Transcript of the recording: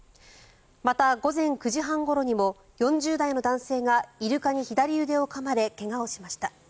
また、午前９時半ごろにも４０代の男性がイルカに左腕をかまれ怪我をしました。